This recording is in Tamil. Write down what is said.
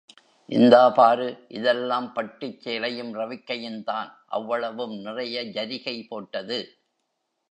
இந்தா பாரு இதெல்லாம் பட்டுச் சேலையும் ரவிக்கையுந்தான் அவ்வளவும் நிறைய ஜரிகை போட்டது.